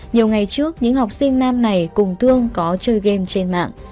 nhiều ngày trước những học sinh nam này cùng thương có chơi game trên mạng